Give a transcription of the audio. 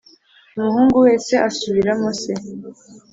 “umuhungu wese asubiramo se,